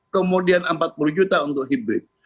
kemudian empat puluh juta untuk hybrid